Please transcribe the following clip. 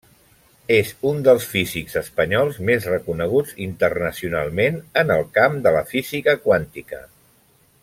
És un dels físics espanyols més reconeguts internacionalment en el camp de la física quàntica.